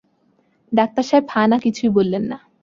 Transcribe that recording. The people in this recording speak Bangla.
ডাক্তার সাহেব হা-না কিছুই বললেন না।